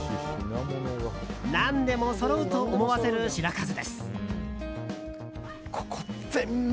何でもそろうと思わせる品数です。